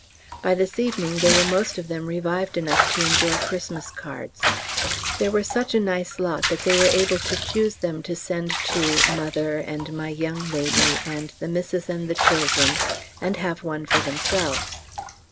By this evening they were most of them revived enough to enjoy Xmas cards; there were such a nice lot that they were able to choose them to send to Mother and My Young Lady and the Missis and the Children, and have one for themselves.